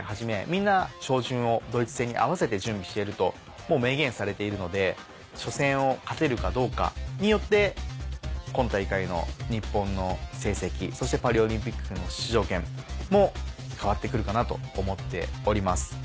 みんな照準をドイツ戦に合わせて準備していると明言されているので初戦を勝てるかどうかによって今大会の日本の成績そしてパリオリンピックへの出場権も変わってくるかなと思っております。